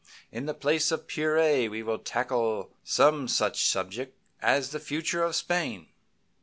In the place of purée we will tackle some such subject as the future of Spain.